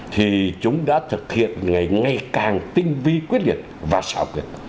thì chúng đã thực hiện ngày càng tinh vi quyết liệt và xảo quyệt